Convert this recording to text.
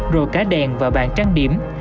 rồi cả đèn và bàn trang điểm